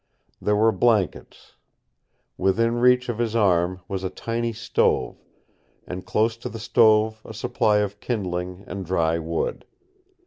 There were blankets. Within reach of his arm was a tiny stove, and close to the stove a supply of kindling and dry wood.